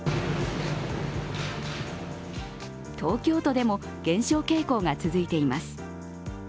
東京都でも減少傾向が続いています。